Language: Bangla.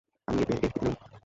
আপনি এফবিতে নেই?